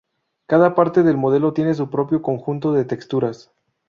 Cada parte del modelo tiene su propio conjunto de texturas.